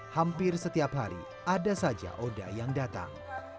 hampir setiap hari ada saja oda yang datang